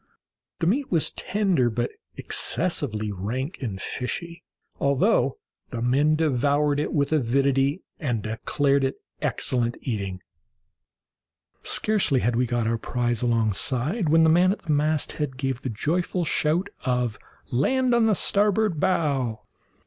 The meat was tender, but excessively rank and fishy, although the men devoured it with avidity, and declared it excellent eating. Scarcely had we got our prize alongside, when the man at the masthead gave the joyful shout of "land on the starboard bow!"